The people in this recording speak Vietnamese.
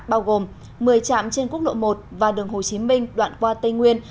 bao gồm một mươi trạm trên quốc lộ một và đường hồ chí minh đoạn qua tây nguyên